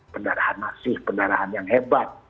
pendarahan masif pendarahan yang hebat